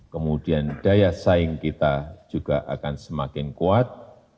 kemudian daya saing kita juga akan semakin kuat